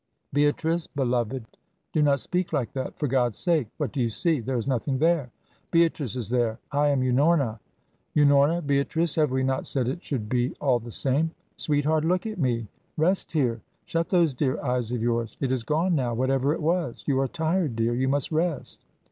"Beatrice beloved do not speak like that! For God's sake what do you see? There is nothing there." "Beatrice is there. I am Unorna." "Unorna, Beatrice have we not said it should be all the same! Sweetheart look at me! Rest here shut those dear eyes of yours. It is gone now whatever it was you are tired, dear you must rest."